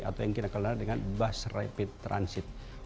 atau yang kita kenal dengan bus rapid transit